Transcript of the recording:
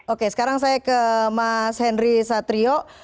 oke sekarang saya ke mas henry satrio